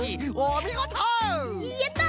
やった！